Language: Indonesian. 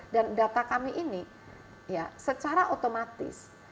dan data kami ini ya secara otomatis